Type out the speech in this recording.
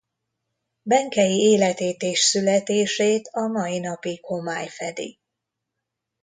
Benkei életét és születését a mai napig homály fedi.